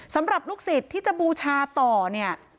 สำหรับลูกศิษย์ที่จะบูชาต่อเนี่ย